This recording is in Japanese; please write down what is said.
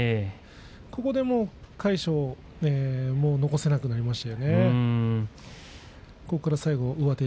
ここで魁勝は残せなくなりました。